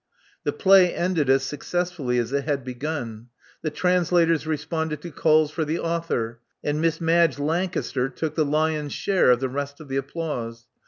The play ended as successfully as it had begun. jThe translators responded to calls for the author; ■ and Miss Madge Lancaster took the lion's share of the rest of the applause.